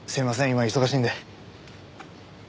今忙しいんで。